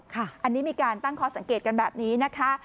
อันนี้มีการตั้งข้อสังเกตกันแบบนี้นะคะ